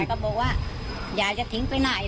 นายก็บอกว่าอย่าจะทิ้งไปไหน